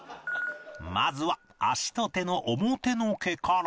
まずは足と手の表の毛から